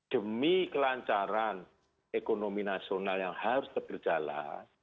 demi kelancaran ekonomi nasional yang harus berjalan